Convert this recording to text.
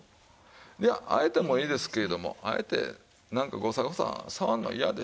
いやあえてもいいですけれどもあえてなんかガサガサ触るの嫌でしょう。